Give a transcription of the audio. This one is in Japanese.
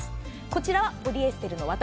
こちらはポリエステルの綿。